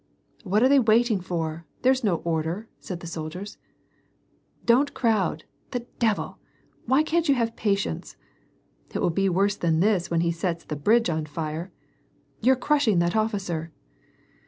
" What are they waiting for ? There's no order," said the soldiers. " Don't crowd ! The devil ! Why can't you have patience!" "It will be worse than this when he sets the bridge on fire." " You're crushing that officer